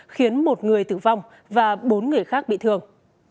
khiến một người tử vong và bốn người khác bị thương